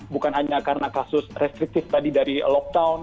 bukan hanya karena kasus restriktif tadi dari lockdown